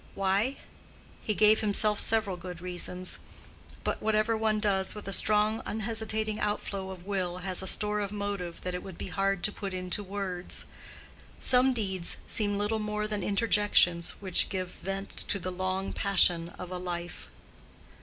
Why? He gave himself several good reasons; but whatever one does with a strong unhesitating outflow of will has a store of motive that it would be hard to put into words. Some deeds seem little more than interjections which give vent to the long passion of a life.